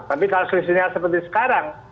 tapi kalau klisihnya seperti sekarang